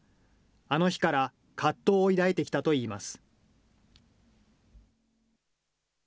あの日から葛藤を抱いてきたといいます。